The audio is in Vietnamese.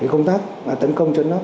công tác tấn công chân nóc